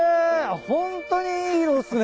ホントにいい色っすね。